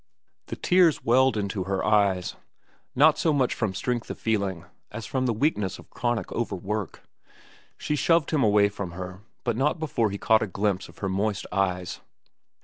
The tears welled into her eyes—not so much from strength of feeling as from the weakness of chronic overwork. She shoved him away from her, but not before he caught a glimpse of her moist eyes.